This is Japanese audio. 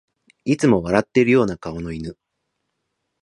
いつも笑ってるような顔の犬